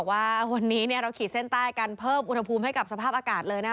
อย่างบอกว่าคีย์สุดท้ายกันเปิดอุดหภูมิให้สภาพอากาศเลยนะ